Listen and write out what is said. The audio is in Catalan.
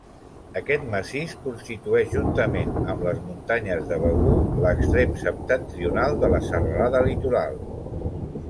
Aquest massís constitueix, juntament amb les muntanyes de Begur, l'extrem septentrional de la Serralada Litoral.